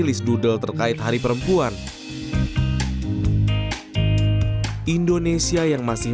indonesia yang masih